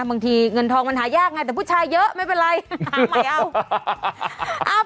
บางทีเงินทองมันหายากไงแต่ผู้ชายเยอะไม่เป็นไรหาใหม่เอา